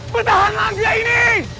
bertahanlah angga ini